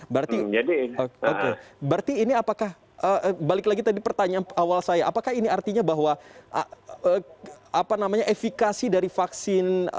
berarti ini apakah balik lagi tadi pertanyaan awal saya apakah ini artinya bahwa efikasi dari vaksin